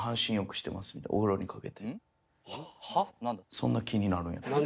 そんな気になるんやったら。